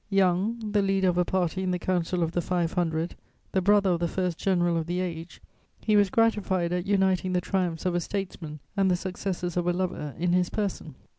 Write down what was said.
Young, the leader of a party in the Council of the Five Hundred, the brother of the first general of the age, he was gratified at uniting the triumphs of a statesman and the successes of a lover in his person.